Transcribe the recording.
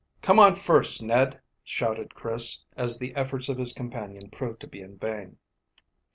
"Come on first, Ned," shouted Chris, as the efforts of his companion proved to be in vain.